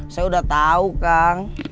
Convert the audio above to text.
saya udah tau kang